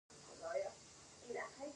آیا دا د ایران لپاره لوی فرصت نه دی؟